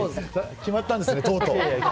決まったんですか、とうとう。